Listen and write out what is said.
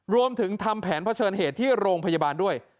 รวมถึงทำแผนเผชิญเหตุที่โรงพยาบาลด้วย